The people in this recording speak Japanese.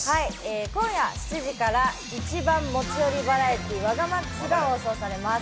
今夜７時から『１番持ち寄りバラエティ我がＭＡＸ』が放送されます。